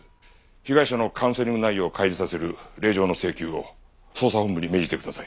被害者のカウンセリング内容を開示させる令状の請求を捜査本部に命じてください。